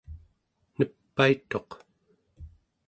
nepaituq